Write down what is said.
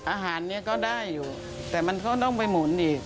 อาหารนี้ก็ได้อยู่แต่มันก็ต้องไปหมุนอีก